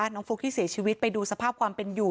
ฟุ๊กที่เสียชีวิตไปดูสภาพความเป็นอยู่